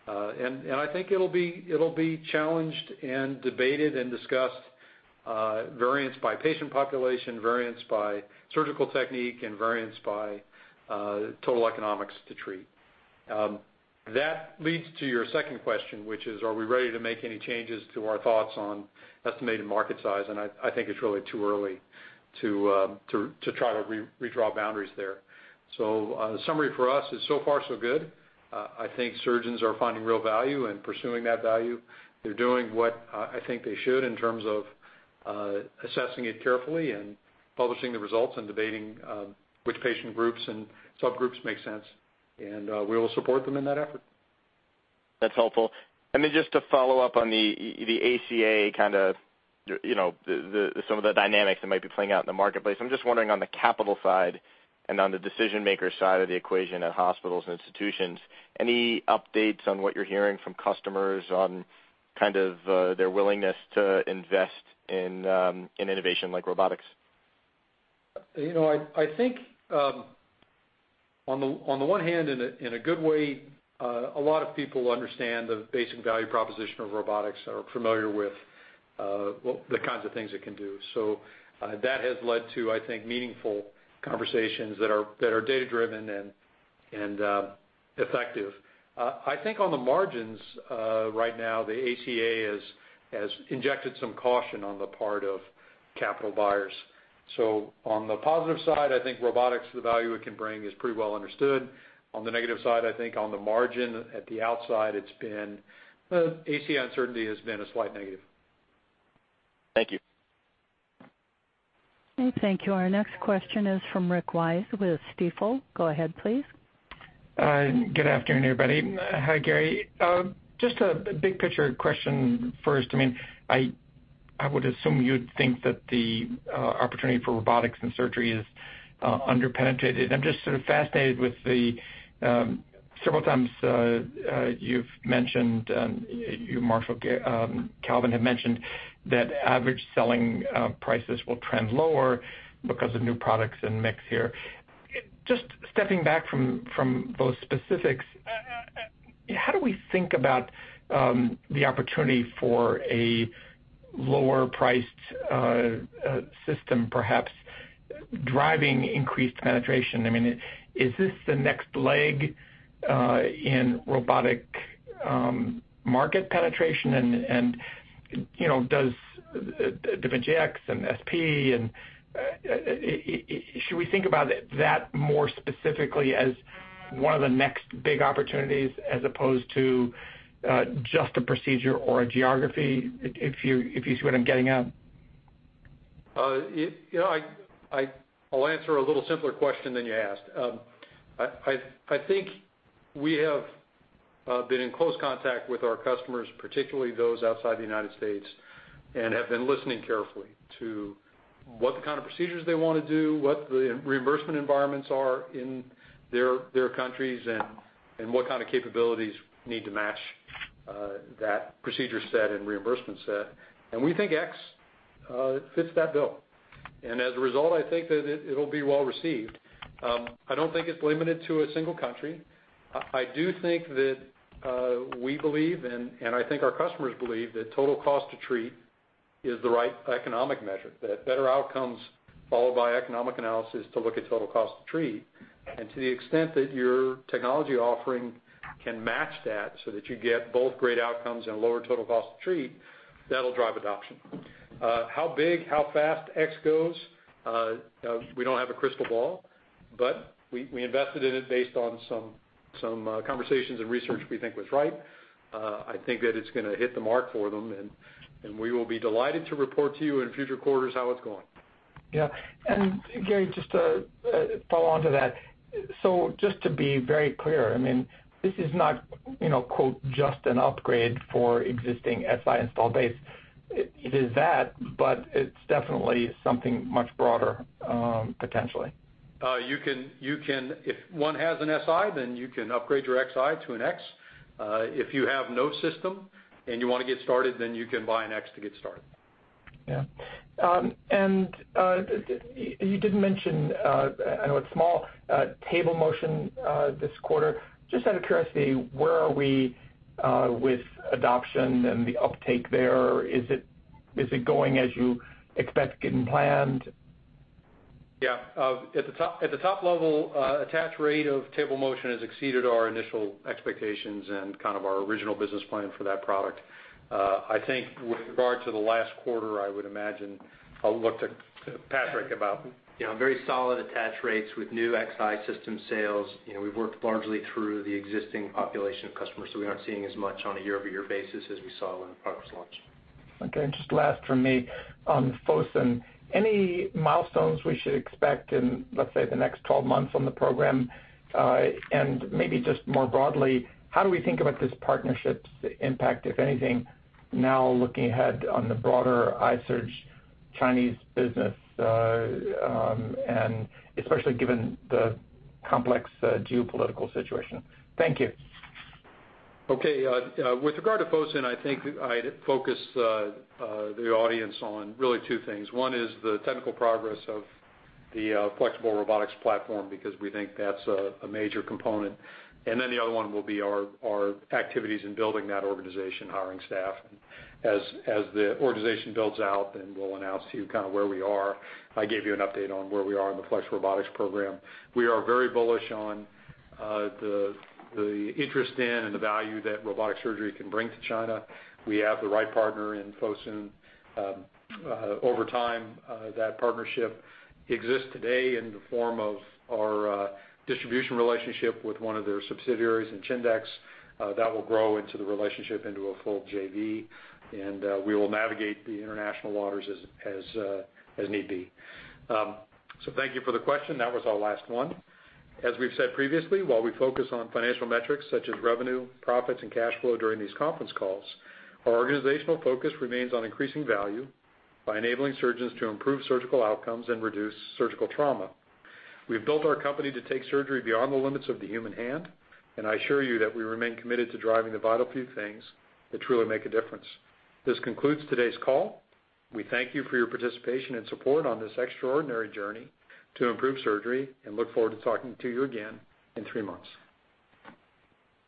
I think it'll be challenged and debated and discussed, variance by patient population, variance by surgical technique, and variance by total economics to treat. That leads to your second question, which is, are we ready to make any changes to our thoughts on estimated market size? I think it's really too early to try to redraw boundaries there. The summary for us is so far, so good. I think surgeons are finding real value and pursuing that value. They're doing what I think they should in terms of assessing it carefully and publishing the results and debating which patient groups and subgroups make sense. We will support them in that effort. That's helpful. Just to follow up on the ACA kind of some of the dynamics that might be playing out in the marketplace. I'm just wondering on the capital side and on the decision maker side of the equation at hospitals and institutions, any updates on what you're hearing from customers on kind of their willingness to invest in innovation like robotics? I think on the one hand, in a good way, a lot of people understand the basic value proposition of robotics, are familiar with the kinds of things it can do. That has led to, I think, meaningful conversations that are data driven and effective. I think on the margins right now, the ACA has injected some caution on the part of capital buyers. On the positive side, I think robotics, the value it can bring is pretty well understood. On the negative side, I think on the margin at the outside, ACA uncertainty has been a slight negative. Thank you. Thank you. Our next question is from Rick Wise with Stifel. Go ahead, please. Good afternoon, everybody. Hi, Gary. Just a big picture question first. I would assume you'd think that the opportunity for robotics and surgery is under-penetrated. I'm just sort of fascinated with the several times you've mentioned, you, Marshall, Calvin had mentioned that average selling prices will trend lower because of new products and mix here. Just stepping back from those specifics How do we think about the opportunity for a lower priced system, perhaps driving increased penetration? Is this the next leg in robotic market penetration? Does da Vinci X and SP, should we think about that more specifically as one of the next big opportunities as opposed to just a procedure or a geography, if you see what I'm getting at? I'll answer a little simpler question than you asked. I think we have been in close contact with our customers, particularly those outside the United States, and have been listening carefully to what kind of procedures they want to do, what the reimbursement environments are in their countries, and what kind of capabilities need to match that procedure set and reimbursement set. We think X fits that bill. As a result, I think that it'll be well received. I don't think it's limited to a single country. I do think that we believe, and I think our customers believe, that total cost to treat is the right economic measure. That better outcomes followed by economic analysis to look at total cost to treat, and to the extent that your technology offering can match that so that you get both great outcomes and lower total cost to treat, that'll drive adoption. How big, how fast X goes, we don't have a crystal ball, but we invested in it based on some conversations and research we think was right. I think that it's going to hit the mark for them, and we will be delighted to report to you in future quarters how it's going. Yeah. Gary, just to follow onto that, just to be very clear, this is not, quote, just an upgrade for existing Si install base. It is that, but it's definitely something much broader, potentially. If one has an Si, then you can upgrade your Xi to an X. If you have no system and you want to get started, then you can buy an X to get started. Yeah. You did mention, I know it's small, table motion this quarter. Just out of curiosity, where are we with adoption and the uptake there? Is it going as you expect and planned? Yeah. At the top level, attach rate of table motion has exceeded our initial expectations and our original business plan for that product. I think with regard to the last quarter, I would imagine I'll look to Patrick about Very solid attach rates with new Xi system sales. We've worked largely through the existing population of customers, so we aren't seeing as much on a year-over-year basis as we saw when the product was launched. Okay, just last from me on Fosun. Any milestones we should expect in, let's say, the next 12 months on the program? Maybe just more broadly, how do we think about this partnership's impact, if anything, now looking ahead on the broader ISRG Chinese business, especially given the complex geopolitical situation? Thank you. Okay. With regard to Fosun, I think I'd focus the audience on really two things. One is the technical progress of the flexible robotics platform, because we think that's a major component. The other one will be our activities in building that organization, hiring staff. As the organization builds out, we'll announce to you where we are. I gave you an update on where we are in the Flex Robotics Program. We are very bullish on the interest in and the value that robotic surgery can bring to China. We have the right partner in Fosun. Over time, that partnership exists today in the form of our distribution relationship with one of their subsidiaries in Chindex. That will grow into the relationship into a full JV, we will navigate the international waters as need be. Thank you for the question. That was our last one. As we've said previously, while we focus on financial metrics such as revenue, profits, and cash flow during these conference calls, our organizational focus remains on increasing value by enabling surgeons to improve surgical outcomes and reduce surgical trauma. We've built our company to take surgery beyond the limits of the human hand, I assure you that we remain committed to driving the vital few things that truly make a difference. This concludes today's call. We thank you for your participation and support on this extraordinary journey to improve surgery, look forward to talking to you again in three months.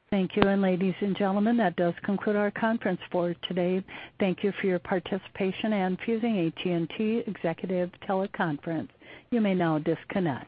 Thank you. Ladies and gentlemen, that does conclude our conference for today. Thank you for your participation in using AT&T Executive Teleconference. You may now disconnect.